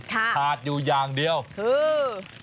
ขาดอยู่อย่างเดียวคือ